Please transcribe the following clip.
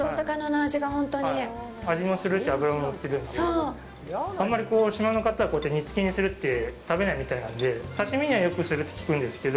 味もするし、脂も乗ってるんであんまり島の方はこうやって煮つけにするって食べないみたいなんで刺身にはよくするって聞くんですけど。